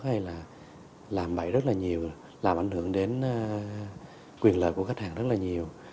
hay là làm bậy rất là nhiều làm ảnh hưởng đến quyền lợi của khách hàng rất là nhiều